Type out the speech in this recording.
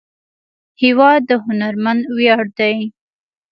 هېواد د هنرمند ویاړ دی.